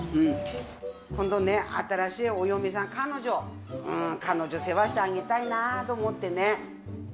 今度ね、新しいお嫁さん、彼女、彼女世話してあげたいなと思ってね。